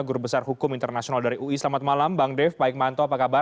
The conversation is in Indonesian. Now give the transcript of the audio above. guru besar hukum internasional dari ui selamat malam bang dev pak hikmanto apa kabar